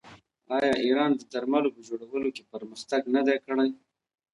آیا ایران د درملو په جوړولو کې پرمختګ نه دی کړی؟